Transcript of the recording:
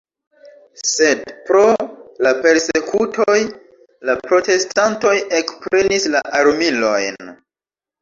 Sed, pro la persekutoj, la protestantoj ekprenis la armilojn.